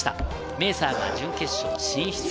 メーサーが準決勝進出。